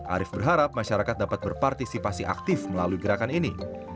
arief berharap masyarakat dapat berpartisipasi aktif melalui gerakan ini